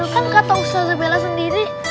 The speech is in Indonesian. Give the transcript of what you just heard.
kan katau ustad zaabela sendiri